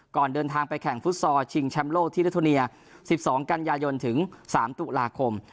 ก่อนเดินทางไปแข่งฟุตซอลชิงแชมป์โลกที่เลโทเนีย๑๒กันยายนถึง๓ตุลาคม